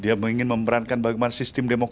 dia ingin memerankan bagaimana sistem demokrasi